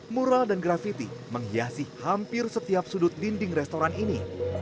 mural dan grafiti menghiasi hampir setiap sudut dinding restoran ini